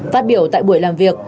phát biểu tại buổi làm việc